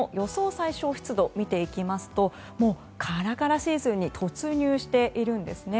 最小湿度を見ていきますともう、カラカラシーズンに突入しているんですね。